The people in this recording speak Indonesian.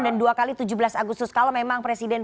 dan dua kali tujuh belas agustus kalau memang presiden